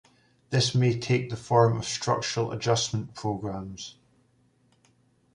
This may take the form of structural adjustment programs.